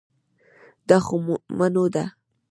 دا خو منو ده